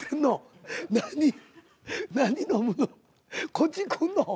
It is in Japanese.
こっち来んの？